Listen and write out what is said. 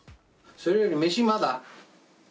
それより飯まだ？